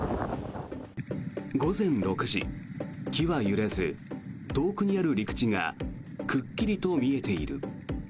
午前６時、木は揺れず遠くにある陸地がくっきりと見えている。